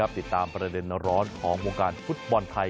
ติดตามประเด็นร้อนของวงการฟุตบอลไทย